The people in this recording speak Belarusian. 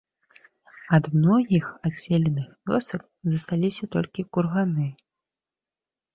Ад многіх адселеных вёсак засталіся толькі курганы.